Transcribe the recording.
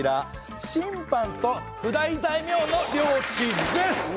親藩と譜代大名の領地です。